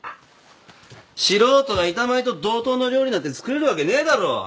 素人が板前と同等の料理なんて作れるわけねえだろ！